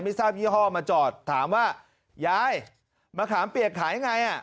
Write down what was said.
ไม่ทราบยี่ห้อมาจอดถามว่ายายมะขามเปียกขายยังไงอ่ะ